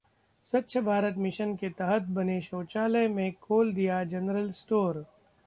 स्वच्छ भारत मिशन के तहत बने शौचालय में खोल दिया 'जनरल स्टोर'!